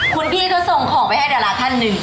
คุณพี่ก็ส่งของไปให้ดาราท่านหนึ่ง